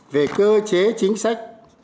về cơ chế chính sách